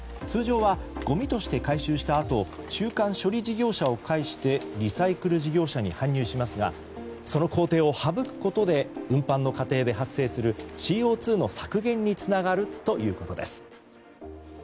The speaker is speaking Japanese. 通常はごみとして回収したあと中間処理事業者を介してリサイクル事業者に搬入しますがその工程を省くことで運搬の過程で発生するＣＯ２の削減につながるということです。